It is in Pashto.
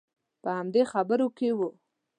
په همدې خبرو کې وو.